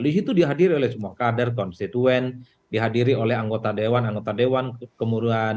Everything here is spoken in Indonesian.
di situ dihadiri oleh semua kader konstituen dihadiri oleh anggota dewan anggota dewan kemuruan